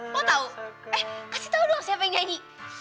lo tau eh kasih tau doang siapa yang nyanyi